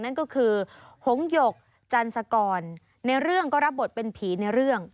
นั่นก็คือหงหยกจันสกรในเรื่องก็รับบทเป็นผีในเรื่อง